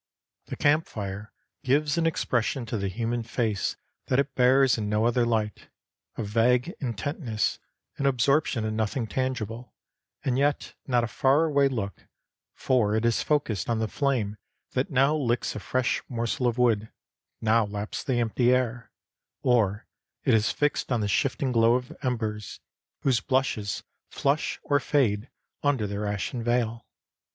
The camp fire gives an expression to the human face that it bears in no other light, a vague intentness, an absorption in nothing tangible; and yet not a far away look, for it is focused on the flame that now licks a fresh morsel of wood, now laps the empty air; or it is fixed on the shifting glow of embers, whose blushes flush or fade under their ashen veil.